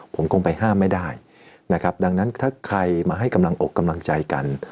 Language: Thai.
ผมคงไปห้ามไม่ได้นะครับดังนั้นถ้าใครมาให้กำลังอกกำลังใจกัน